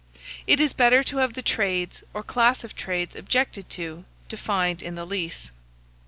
It is better to have the trades, or class of trades objected to, defined in the lease.